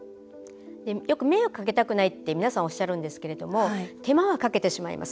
よく迷惑をかけたくないって皆さんおっしゃるんですけど手間はかけてしまいます。